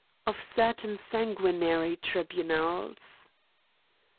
Of certain sanguinary tribunals.